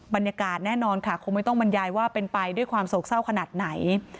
บรรยากาศแน่นอนค่ะคงไม่ต้องบรรยายว่าเป็นไปด้วยความโศกเศร้าขนาดไหน